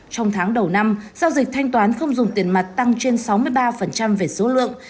trong tháng đầu năm giao dịch thanh toán không dùng tiền mặt tăng trên sáu mươi ba về số lượng